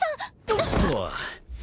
おっと。